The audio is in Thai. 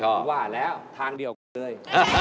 ไว้ว่าแล้วทางเดียวแหมโอ๊ย